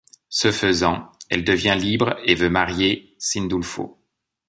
Ce faisant, elle devient libre et veut marier Sindulfo.